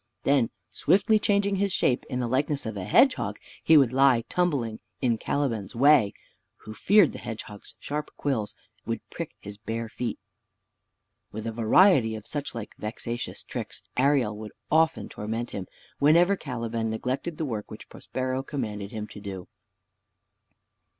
Then swiftly changing his shape, in the likeness of a hedgehog, he would lie tumbling in Caliban's way, who feared the hedgehog's sharp quills would prick his bare feet. With a variety of such like vexatious tricks Ariel would often torment him, whenever Caliban neglected the work which Prospero commanded him to do.